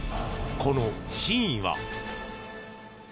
この真意は？